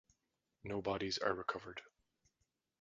No bodies are recovered.